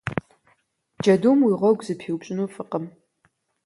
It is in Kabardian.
Джэдум уи гъуэгу зэпиупщӏыну фӏыкъым.